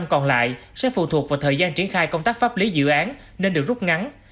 năm còn lại sẽ phụ thuộc vào thời gian triển khai công tác pháp lý dự án nên được rút ngắn